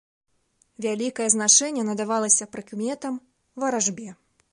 Вялікае значэнне надавалася прыкметам, варажбе.